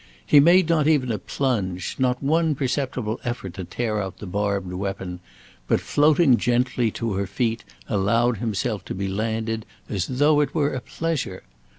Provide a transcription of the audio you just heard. He made not even a plunge, not one perceptible effort to tear out the barbed weapon, but, floating gently to her feet, allowed himself to be landed as though it were a pleasure.